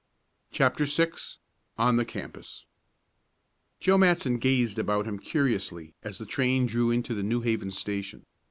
CHAPTER VI ON THE CAMPUS Joe Matson gazed about him curiously as the train drew into the New Haven station.